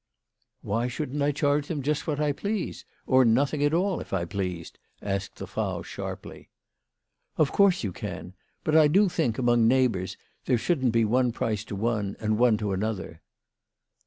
99 " Why shouldn't I charge them just what I please, or nothing at all, if I pleased ?" asked the Frau sharply. " Of course you can. But I do think, among neigh bours, there shouldn't be one price to one and one to another."